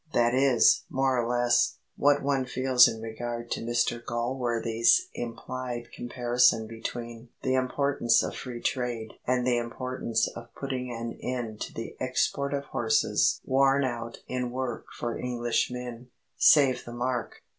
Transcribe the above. That is, more or less, what one feels in regard to Mr Galsworthy's implied comparison between the importance of Free Trade and the importance of putting an end to the "export of horses worn out in work for Englishmen save the mark!